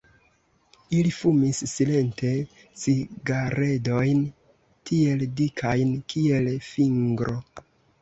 Ili fumis silente cigaredojn tiel dikajn, kiel fingro.